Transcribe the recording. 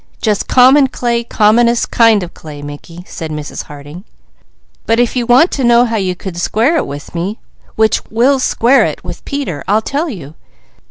"Just common clay, commonest kind of clay Mickey," said Mrs. Harding. "But if you want to know how you could 'square' it with me, which will 'square' it with Peter I'll tell you.